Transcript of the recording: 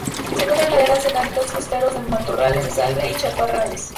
Se encuentra en laderas en hábitats costeros de matorrales de salvia y chaparrales.